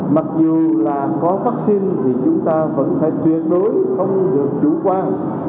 mặc dù là có vaccine thì chúng ta vẫn phải tuyệt đối không được chủ quan